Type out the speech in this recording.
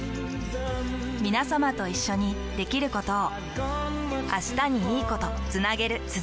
みなさまと一緒にできることを。